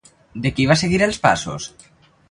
De qui va seguir els passos?